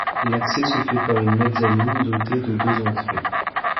L'accès se fait par une mezzanine dotée de deux entrées.